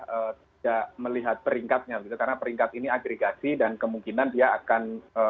tidak melihat peringkatnya karena peringkat ini agregasi dan kemungkinan dia akan